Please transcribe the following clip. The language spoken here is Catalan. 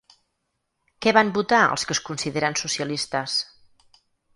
Què van votar els que es consideren socialistes?